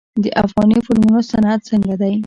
د افغاني فلمونو صنعت څنګه دی؟